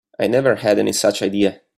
I never had any such idea.